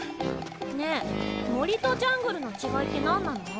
ねぇ森とジャングルの違いって何なの？